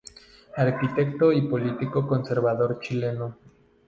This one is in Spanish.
Arquitecto y político conservador chileno.